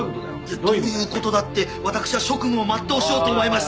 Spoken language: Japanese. いや「どういう事だ」って私は職務を全うしようと思いまして。